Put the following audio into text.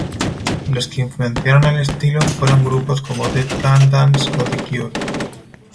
Los que influenciaron al estilo fueron grupos como Dead Can Dance o The Cure.